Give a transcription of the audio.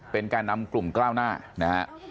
เป็นการนำกลุ่มเกล้าหน้านะครับ